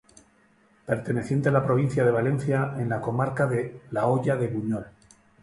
Perteneciente a la provincia de Valencia, en la comarca de la Hoya de Buñol.